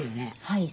はい。